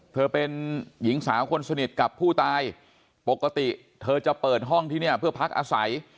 เธอเป็นหญิงสาวคนสนิทกับผู้ตายปกติเธอจะเปิดห้องที่เนี่ยเพื่อพักอาศัย